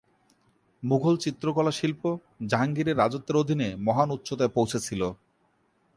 মুঘল চিত্রকলা শিল্প, জাহাঙ্গীর এর রাজত্বের অধীনে মহান উচ্চতায় পৌঁছেছিল।